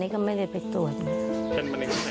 ป้าก็ทำของคุณป้าได้ยังไงสู้ชีวิตขนาดไหนติดตามกัน